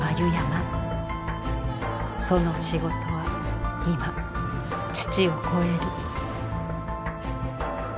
その仕事は今父を超える。